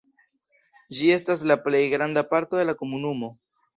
Ĝi estas la plej granda parto de la komunumo.